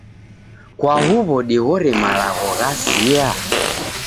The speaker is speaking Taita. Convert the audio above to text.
kwa huw'o dighore malagho ghasia?